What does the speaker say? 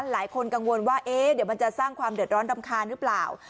หลายคนกังวลว่าเดี๋ยวมันจะสร้างความเดือดร้อนรำคาญหรือเปล่า